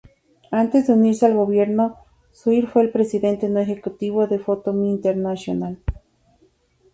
Antes de unirse al gobierno, Swire fue el Presidente no Ejecutivo de Photo-Me International.